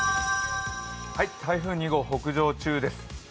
台風２号、北上中です。